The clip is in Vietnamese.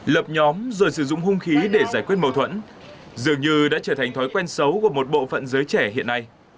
lập nhóm rồi sử dụng hung khí để giải quyết mâu thuẫn dường như đã trở thành thói quen xấu của một bộ phận giới trẻ hiện nay